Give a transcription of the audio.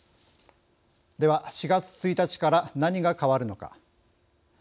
では４月１日から何が変わるのか。